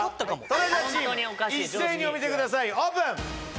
トラジャチーム一斉にお見せくださいオープン！